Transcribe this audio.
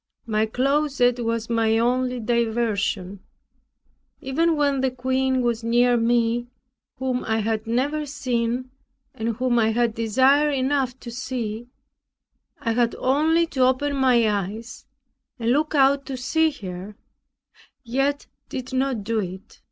My closet was my only diversion. Even when the queen was near me, whom I had never seen, and whom I had desire enough to see; I had only to open my eyes, and look out to see her; yet did not do it.